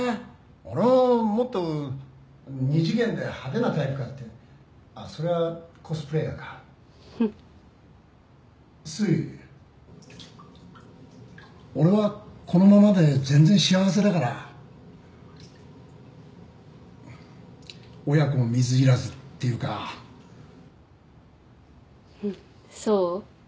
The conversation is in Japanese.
俺はもっと２次元で派手なタイプかってあっそれはコスプレイヤーかふふっすい俺はこのままで全然幸せだから親子水入らずっていうかふっそう？